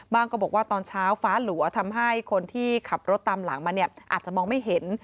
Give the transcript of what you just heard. ก็บอกว่าตอนเช้าฟ้าหลัวทำให้คนที่ขับรถตามหลังมาเนี่ยอาจจะมองไม่เห็น